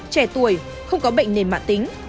trẻ tuổi không có bệnh nền mạng tính